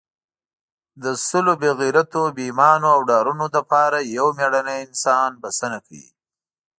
د سلو بې غیرتو، بې ایمانو او ډارنو لپاره یو مېړنی انسان بسنه کوي.